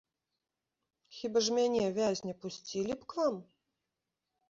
Хіба ж мяне, вязня, пусцілі б к вам?